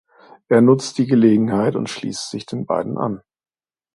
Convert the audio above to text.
Er nutzt die Gelegenheit und schließt sich den beiden an.